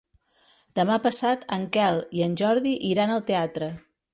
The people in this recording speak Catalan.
Demà passat en Quel i en Jordi iran al teatre.